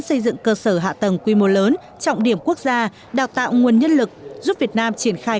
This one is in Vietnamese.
xây dựng cơ sở hạ tầng quy mô lớn trọng điểm quốc gia đào tạo nguồn nhân lực giúp việt nam triển khai